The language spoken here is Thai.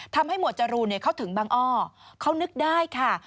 ทำให้หมวดจรูลเขาถึงบางอ้อเขานึกได้ค่ะ